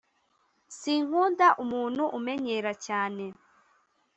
sinkunda umuntu umenyera cyane